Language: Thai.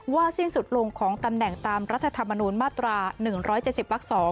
สิ้นสุดลงของตำแหน่งตามรัฐธรรมนูญมาตรา๑๗๐วัก๒